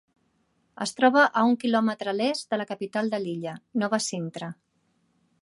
Es troba a un quilòmetre a l'est de la capital de l'illa, Nova Sintra.